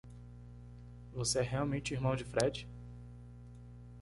Você é realmente irmão de Fred?